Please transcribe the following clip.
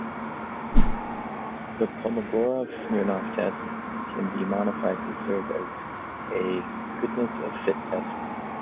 The Kolmogorov-Smirnov test can be modified to serve as a goodness of fit test.